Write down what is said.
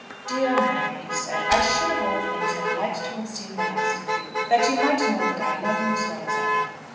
"Dear Mary," he said, "I should of all things have liked to have seen the last of you, that you might know that I love you as well as ever."